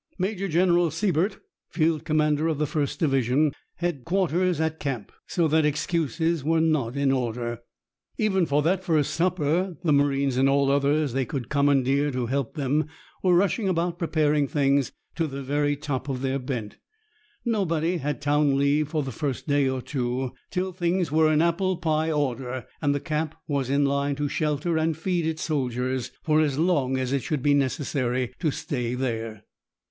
Major General Sibert, field commander of the First Division, had quarters at camp, so that excuses were not in order. Even for that first supper, the marines and all others they could commandeer to help them were rushing about preparing things to the very top of their bent. Nobody had town leave for the first day or two, till things were in apple pie order, and the camp was in line to shelter and feed its soldiers for as long as it should be necessary to stay there.